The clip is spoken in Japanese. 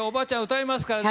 歌いますからね。